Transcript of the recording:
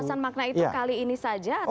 kesan makna itu kali ini saja atau